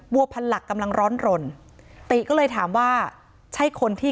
วัวพันหลักกำลังร้อนรนติก็เลยถามว่าใช่คนที่